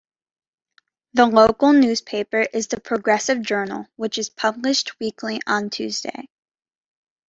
The local newspaper is "The Progressive Journal", which is published weekly on Tuesday.